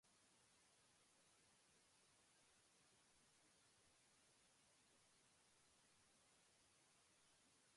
El niño, que acababa de cumplir cinco años, recibió muchos regalos.